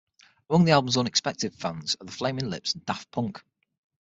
Among the album's "unexpected" fans are the Flaming Lips and Daft Punk.